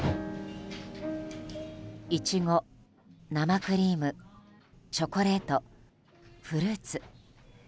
イチゴ、生クリームチョコレート、フルーツ。